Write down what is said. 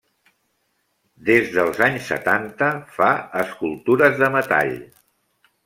Des dels anys setanta, fa escultures de metall.